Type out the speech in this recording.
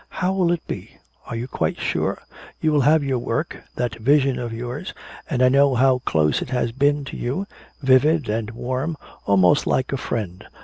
How will it be? Are you quite sure? You will have your work, that vision of yours, and I know how close it has been to you, vivid and warm, almost like a friend.